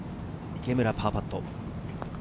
池村、パーパット。